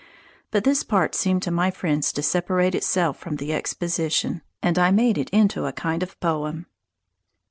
But this part seemed to my friends to separate itself from the exposition, and I made it into a kind of poem.